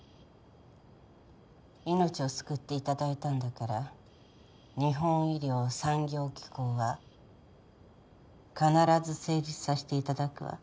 命を救って頂いたんだから日本医療産業機構は必ず成立さして頂くわ。